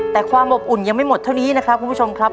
แต่ความอบอุ่นยังไม่หมดเท่านี้นะครับคุณผู้ชมครับ